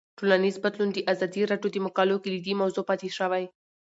ټولنیز بدلون د ازادي راډیو د مقالو کلیدي موضوع پاتې شوی.